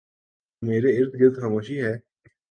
میرے اردگرد خاموشی ہے ۔